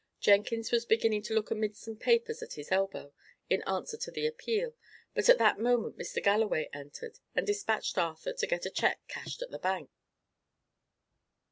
Jenkins was beginning to look amidst some papers at his elbow, in answer to the appeal; but at that moment Mr. Galloway entered, and despatched Arthur to get a cheque cashed at the bank.